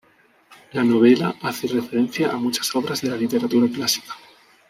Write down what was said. La novela hace referencia a muchas obras de la literatura clásica.